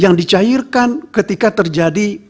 yang dicairkan ketika terjadi